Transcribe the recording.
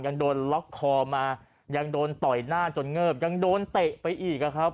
ยังโดนล็อกคอมายังโดนต่อยหน้าจนเงิบยังโดนเตะไปอีกอะครับ